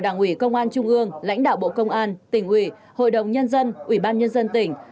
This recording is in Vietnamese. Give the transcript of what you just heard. đảng ủy công an trung ương lãnh đạo bộ công an tỉnh ủy hội đồng nhân dân ủy ban nhân dân tỉnh